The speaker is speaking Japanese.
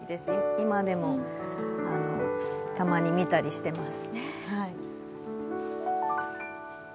今もたまに見たりしてます。